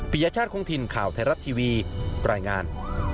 ยชาติคงถิ่นข่าวไทยรัฐทีวีรายงาน